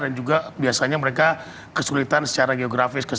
dan juga biasanya mereka kesulitan secara geografis